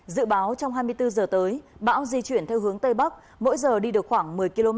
dự báo trong hai mươi bốn giờ tới bão di chuyển theo hướng tây bắc mỗi giờ đi được khoảng một mươi km